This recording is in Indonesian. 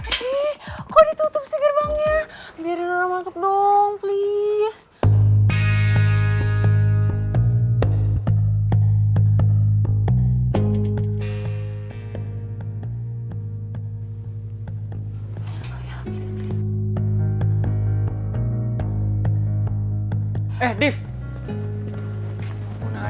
ih kok ditutup sih gerbangnya